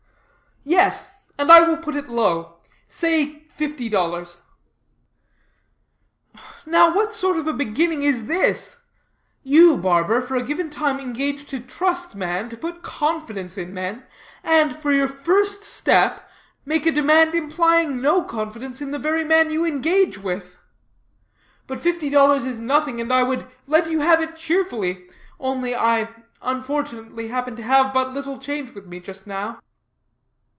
"Yes, and I will put it low; say fifty dollars." "Now what sort of a beginning is this? You, barber, for a given time engage to trust man, to put confidence in men, and, for your first step, make a demand implying no confidence in the very man you engage with. But fifty dollars is nothing, and I would let you have it cheerfully, only I unfortunately happen to have but little change with me just now."